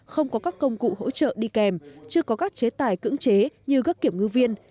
không có các công cụ hỗ trợ đi kèm chưa có các chế tài cưỡng chế như các kiểm ngư viên